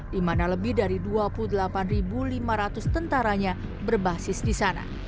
di mana lebih dari dua puluh delapan lima ratus tentaranya berbasis di sana